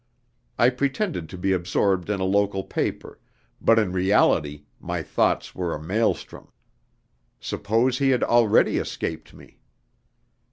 I pretended to be absorbed in a local paper, but in reality my thoughts were a maelstrom. Suppose he had already escaped me!